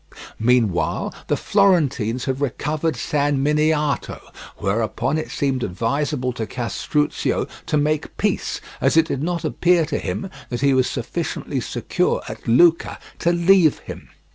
Meanwhile the Florentines had recovered San Miniato, whereupon it seemed advisable to Castruccio to make peace, as it did not appear to him that he was sufficiently secure at Lucca to leave him.